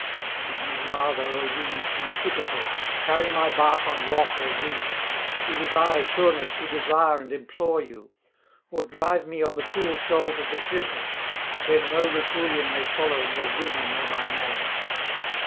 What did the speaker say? Do you rather, O winds, be pitiful, carry my bark on rock or reef; it is I, Turnus, who desire and implore you; or drive me on the cruel shoals of the Syrtis, where no Rutulian may follow nor rumour know my name.'